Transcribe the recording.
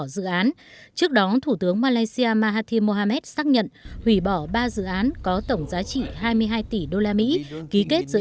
giá chính phủ malaysia mahathir mohamad xác nhận hủy bỏ ba dự án có tổng giá trị hai mươi hai tỷ usd ký kết giữa